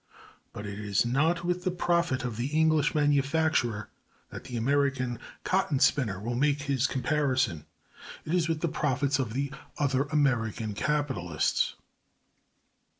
But it is not with the profit of the English manufacturer that the American cotton spinner will make his comparison; it is with the profits of other American capitalists.